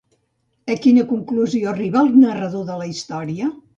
A quina conclusió arriba el narrador de la història?